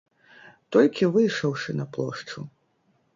Толькі выйшаўшы на плошчу.